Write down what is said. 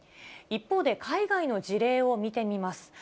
一方で海外の事例を見てみます。